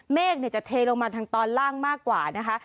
เมฆจะเทลงมาทางตอนล่างมากกว่านะคะ